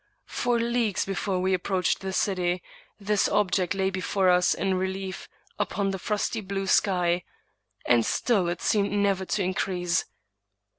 For leagues before we approached the city, this object lay before us in relief upon the frosty blue sky; and still it seemed never to in t:rease.